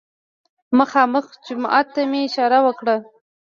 مخامخ جومات ته مې اشاره وکړه.